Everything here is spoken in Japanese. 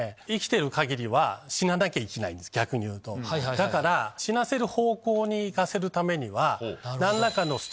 だから死なせる方向に行かせるためには。